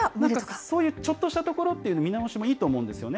そういうちょっとしたところの見直しもいいと思うんですよね。